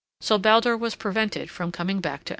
So Baldur was prevented from coming back to Asgard.